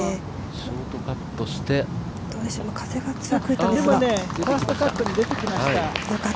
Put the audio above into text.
ショートカットしてでもね、ファーストカットに出てきました。